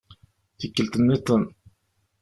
Tikkelt nniḍen.